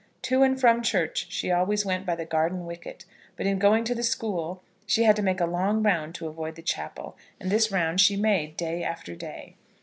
To and from church she always went by the garden wicket; but in going to the school, she had to make a long round to avoid the chapel, and this round she made day after day.